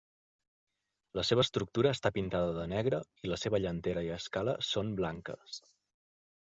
La seva estructura està pintada de negre i la seva llanterna i escala són blanques.